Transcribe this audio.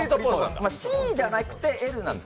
ＣじゃなくてＬなんです